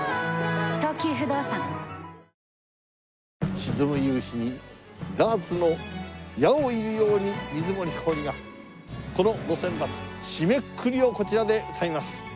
沈む夕日にダーツの矢を射るように水森かおりがこの『路線バス』締めくくりをこちらで歌います。